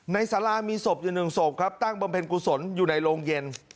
สารามีศพอยู่หนึ่งศพครับตั้งบำเพ็ญกุศลอยู่ในโรงเย็น